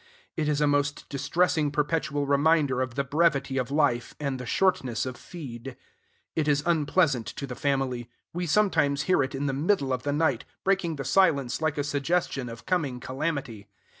It is a most distressing perpetual reminder of the brevity of life and the shortness of feed. It is unpleasant to the family. We sometimes hear it in the middle of the night, breaking the silence like a suggestion of coming calamity.